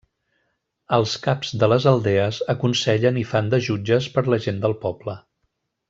Els caps de les aldees aconsellen i fan de jutges per la gent del poble.